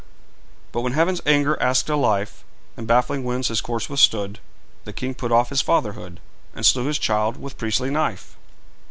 But when heaven's anger asked a life, And baffling winds his course withstood, The king put off his fatherhood, And slew his child with priestly knife.